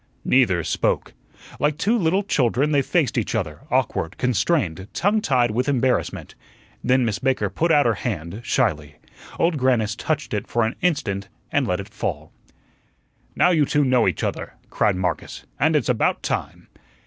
Neither spoke. Like two little children they faced each other, awkward, constrained, tongue tied with embarrassment. Then Miss Baker put out her hand shyly. Old Grannis touched it for an instant and let it fall. "Now you know each other," cried Marcus, "and it's about time."